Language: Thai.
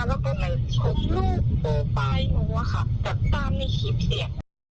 แล้วก็มาชมลูกโปรป้ายหนูค่ะแต่ตามนี่ขีดเสียง